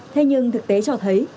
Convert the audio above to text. thế nhưng thực tế cho thấy